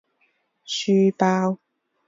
书包